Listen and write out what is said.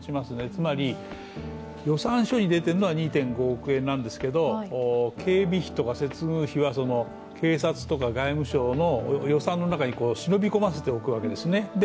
つまり、予算書に入れているのは２．５億円なんですけれども警備費とか接遇費は警察とか外務省の予算の中に忍び込ませておくわけですよね。